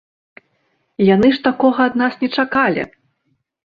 Яны ж такога ад нас не чакалі!